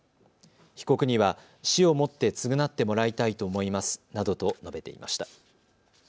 被告には死をもって償ってもらいたいと思いますなどと述べていました。